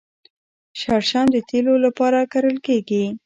شړشم د تیلو لپاره کرل کیږي.